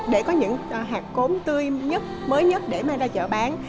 để có những hạt cốm tươi nhất mới nhất để may ra chợ bán